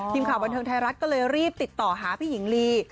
ทีมข่าวบันเทิงไทยรัฐก็เลยรีบติดต่อหาพี่หญิงลี